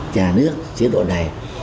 trà nước chế độ này